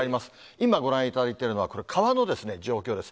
今、ご覧いただいているのは、これ、川の状況です。